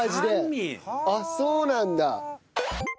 あっそうなんだ。